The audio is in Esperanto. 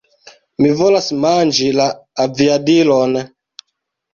Mi volas manĝi la aviadilon!